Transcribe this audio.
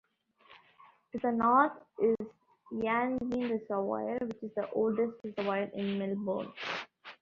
To the north is Yan Yean Reservoir, which is the oldest reservoir in Melbourne.